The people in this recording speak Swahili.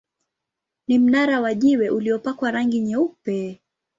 Ni mnara wa jiwe uliopakwa rangi nyeupe.